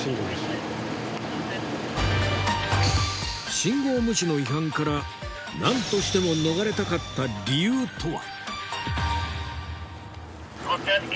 信号無視の違反から何としても逃れたかった理由とは？